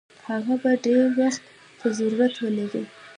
هغه به ډېر وخت ته ضرورت ولري.